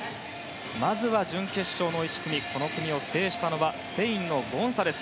まずは準決勝の１組この組を制したのはスペインのゴンサレス。